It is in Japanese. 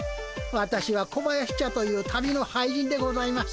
私は小林茶という旅の俳人でございます。